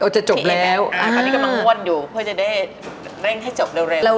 จะจบแล้วตอนนี้กำลังงวดอยู่เพื่อจะได้เร่งให้จบเร็ว